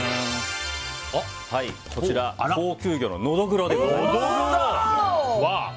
こちら、高級魚のノドグロでございます。